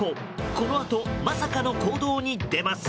このあとまさかの行動に出ます。